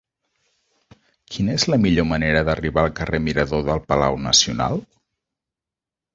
Quina és la millor manera d'arribar al carrer Mirador del Palau Nacional?